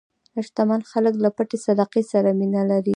شتمن خلک له پټې صدقې سره مینه لري.